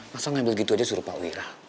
masa ngambil gitu aja suruh pak wira